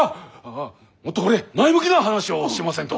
ああもっとほれ前向きな話をしませんと！